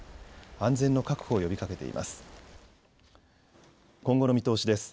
安全の確保を呼びかけています。